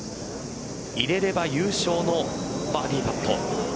入れれば優勝のバーディーパット。